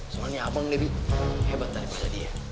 soalnya abang lebih hebat daripada dia